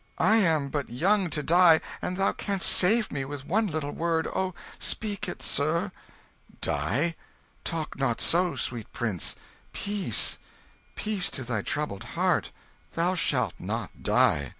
I am but young to die, and thou canst save me with one little word. Oh speak it, sir!" "Die? Talk not so, sweet prince peace, peace, to thy troubled heart thou shalt not die!"